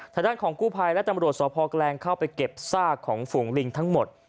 ทางด้านของกู้ภัยและตำรวจสพแกลงเข้าไปเก็บซากของฝูงลิงทั้งหมด